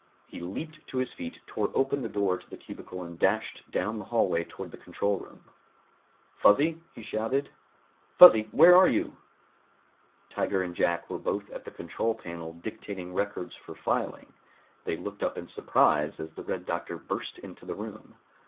He leaped to his feet, tore open the door to the cubicle and dashed down the hallway toward the control room. "Fuzzy!" he shouted. "Fuzzy, where are you?" Tiger and Jack were both at the control panel dictating records for filing. They looked up in surprise as the Red Doctor burst into the room.